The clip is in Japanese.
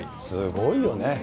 すごいよね。